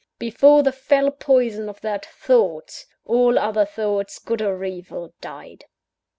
Before the fell poison of that Thought, all other thoughts good or evil died.